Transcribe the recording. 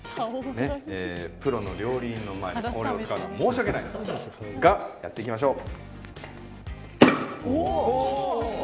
プロの料理人の前でこれを使うのは申し訳ないが、やっていきましょう。